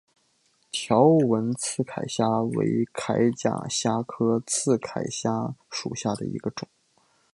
条纹刺铠虾为铠甲虾科刺铠虾属下的一个种。